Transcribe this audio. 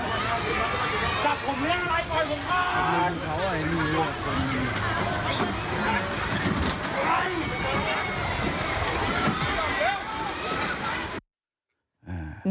จับผมเลี้ยงอะไรปล่อยผมก่อน